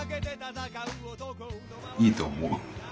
いいと思う。